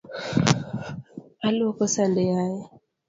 Aluoko sande yaye.